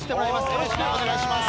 よろしくお願いします。